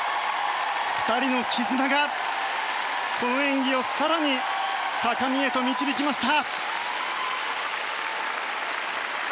２人の絆が、この演技を更に高みへと導きました。